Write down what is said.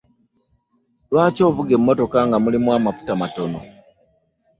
Lwaki ovuga emmotoka nga mulimu amafuta matono?